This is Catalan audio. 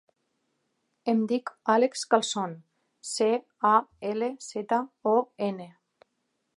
Em dic Àlex Calzon: ce, a, ela, zeta, o, ena.